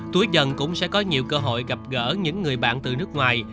túi dần cũng sẽ có nhiều cơ hội gặp gỡ những người bạn từ nước ngoài